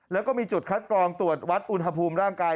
แล้วก็มีจุดคัดกรองตรวจวัดอุณหภูมิร่างกาย